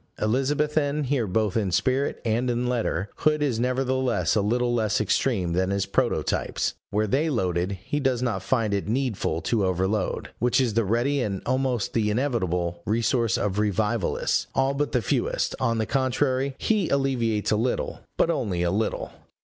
Elizabethan here both in spirit and in letter, Hood is nevertheless a little less extreme than his prototypes. Where they loaded, he does not find it needful to overload, which is the ready and almost the inevitable resource of revivalists, all but the fewest: on the contrary, he alleviates a little, but only a little.